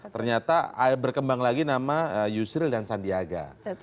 ternyata berkembang lagi nama yusril dan sandiaga